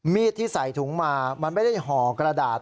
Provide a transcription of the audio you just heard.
ที่ใส่ถุงมามันไม่ได้ห่อกระดาษ